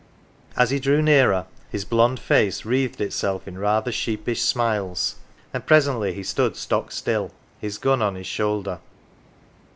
As he drew nearer, his blond face wreathed itself in rather sheepish 77 NANCY smiles, and presently he stood stock still, his gun on his shoulder.